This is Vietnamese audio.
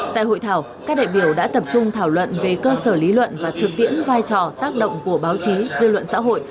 tại hội thảo các đại biểu đã tập trung thảo luận về cơ sở lý luận và thực tiễn vai trò tác động của báo chí dư luận xã hội